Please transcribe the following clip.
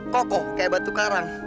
kokoh kayak batu karang